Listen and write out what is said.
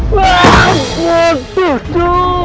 waduh putih tuh